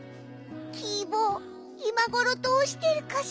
キー坊いまごろどうしてるかしら？